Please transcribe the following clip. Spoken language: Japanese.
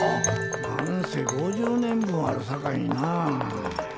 何せ５０年分あるさかいにな。